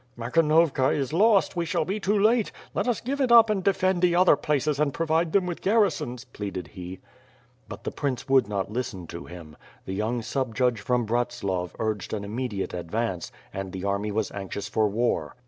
"Makhnovka is lost. We shall be too late! Let us give WITH FIRE A2fD SWORD. 339 it up and defend the other places and provide them with gar risons," pleaded he. But the prince would not listen to him. The young sub judge from Brdtslav urged an immediate advance, and the army was anxious for war.